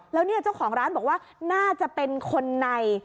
แล้วเนี่ยเจ้าของร้านบอกว่าน่าจะเป็นคนใน